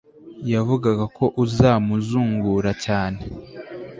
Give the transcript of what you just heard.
yavugaga ko uzamuzungura cyane